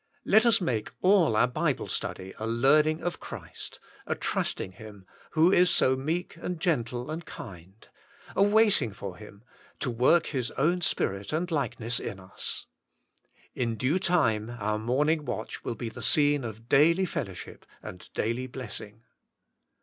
Let us make all our Bible study a learning of Christ, a trusting Him, who is so meek and gentle and kind, a waiting for Him, to work His own spirit and likeness in us. In due time our morn ing watch will be the scene of daily fellowship and daily blessing.